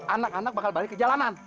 anak anak bakal balik ke jalanan